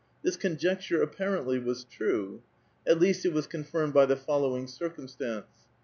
This conjecture apparently was true. ^At least, it was confirmed by the following circumstance.